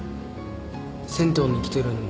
銭湯に来てるのも。